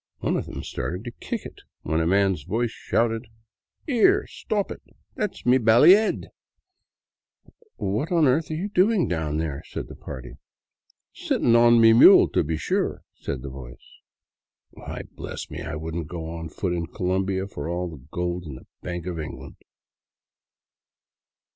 One of them started to kick it, when a man's voice shouted :"* 'Ere, stop it ! That 's my bally 'ead !'"* What on earth are you doing down there ?' said the party. "' Sitting on my mule, to be sure,' said the voice. " Why, bless me, I would n't go on foot in Colombia for all the gold in the bank of England!